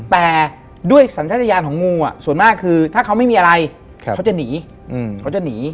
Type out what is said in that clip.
แต่ด้วยสัญญาณของงูส่วนมากคือถ้าเขาไม่มีอะไรเขาจะหนี